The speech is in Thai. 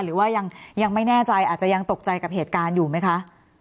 หรือว่ายังไม่แน่ใจอาจจะยังตกใจกับเหตุการณ์อยู่ไหมคะ